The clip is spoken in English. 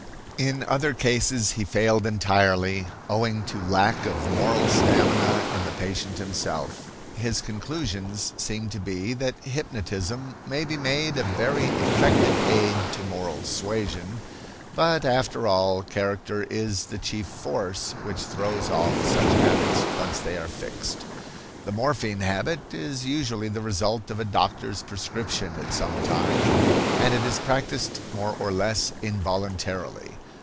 In other cases he failed entirely, owing to lack of moral stamina in the patient himself. His conclusions seem to be that hypnotism may be made a very effective aid to moral suasion, but after all, character is the chief force which throws off such habits once they are fixed. The morphine habit is usually the result of a doctor's prescription at some time, and it is practiced more or less involuntarily.